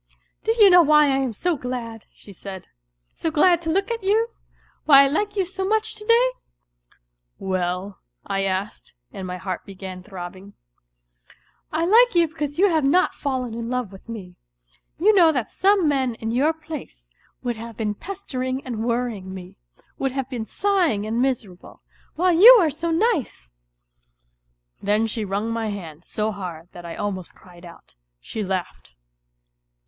" Do you know why I am so glad," she said, " so glad to look at you ? why I like you so much to day ?"" Well ?" I asked, and my heart began throbbing. " Irlikc yoji, because you have not fallen in love with me. You know that some~"meirtn your place would nave been pestering and worrying me, would have been sighing and miserable, while you are so nice !" Then she wrung my hand so hard that I almost cried out. She laughed.